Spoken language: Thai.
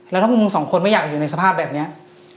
แล้วถ้าพวกมึงสองคนไม่อยากอยู่ในสภาพแบบนี้